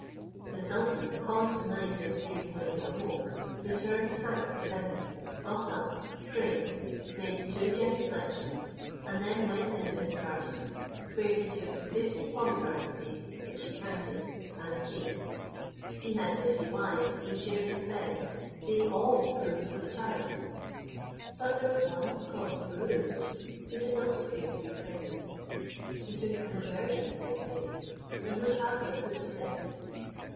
The sultan calling to mind his dream when he awoke, returned thanks to heaven, got up, prayed, made two genuflexions, and then went into his garden, where he took fifty pomegranate seeds, which he counted, and ate. He had fifty wives who shared his bed; they all proved with child; but there was one called Pirouzč, who did not appear to be pregnant. He took an aversion to this lady, and would have her put to death.